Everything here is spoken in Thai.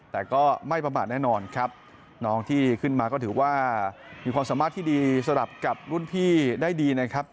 แต่ก็ไม่ประมาทแน่นอนครับน้องที่ขึ้นมาก็ถือว่ามีความสามารถที่ดีสำหรับกับรุ่นพี่ได้ดีนะครับ